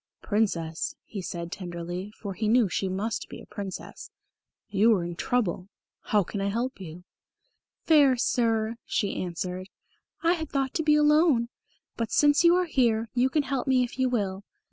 "Princess," he said tenderly, for he knew she must be a Princess, "you are in trouble. How can I help you?" "Fair Sir," she answered, "I had thought to be alone. But, since you are here, you can help me if you will.